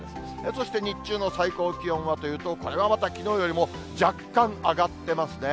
そして日中の最高気温はというと、これがまたきのうよりも若干上がってますね。